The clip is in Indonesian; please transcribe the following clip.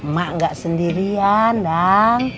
ma gak sendirian dang